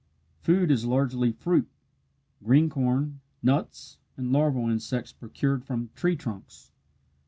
Food is largely fruit green corn, nuts, and larval insects procured from tree trunks.